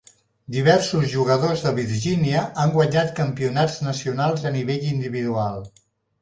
Diversos jugadors de Virgínia han guanyat campionats nacionals a nivell individual.